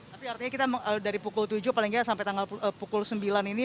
tapi artinya kita dari pukul tujuh paling tidak sampai tanggal pukul sembilan ini